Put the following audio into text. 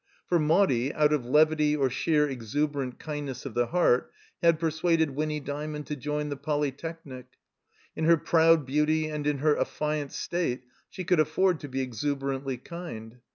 For Maudie, out of levity or sheer exuberant kindness of the heart, had peisuaded Winny Djmiond to join the Polytechnic. In her proud beauty and in her afiSanced state she could afford to be exuberantly kind.